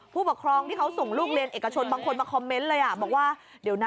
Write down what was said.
ผู้ปกครองที่เขาส่งลูกเรียนเอกชนบางคนมาคอมเมนต์เลยอ่ะบอกว่าเดี๋ยวนะ